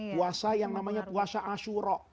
puasa yang namanya puasa ashuro